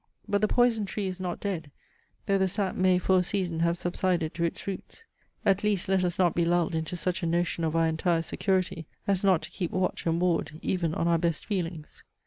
But the poison tree is not dead, though the sap may for a season have subsided to its roots. At least let us not be lulled into such a notion of our entire security, as not to keep watch and ward, even on our best feelings.